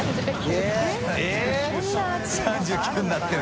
─舛叩３９℃になってる。